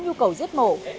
nhu cầu giết mổ